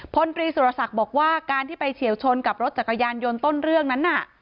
พลตรีสุรศักดิ์บอกว่าการที่ไปเฉียวชนกับรถจักรยานยนต์ต้นเรื่องนั้นน่ะ